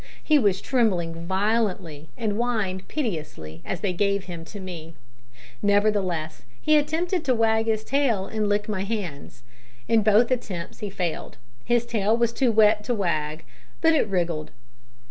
He was trembling violently, and whined piteously, as they gave him to me; nevertheless, he attempted to wag his tail and lick my hands. In both attempts he failed. His tail was too wet to wag but it wriggled.